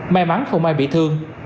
may mắn không ai bị thương